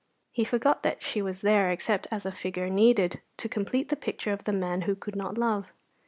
He forgot that she was there, except as a figure needed to complete the picture of the man who could not love.